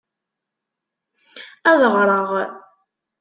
Ad ɣreɣ.